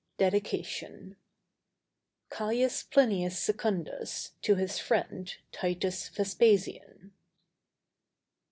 DEDICATION. CAIUS PLINIUS SECUNDUS TO HIS FRIEND TITUS VESPASIAN.